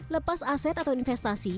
lepas aset atau investasi